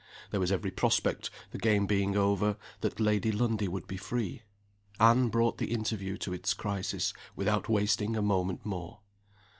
There was every prospect, the game being over, that Lady Lundie would be free. Anne brought the interview to its crisis, without wasting a moment more.